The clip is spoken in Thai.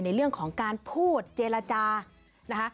ในเรื่องของการพูดเจรจานะคะ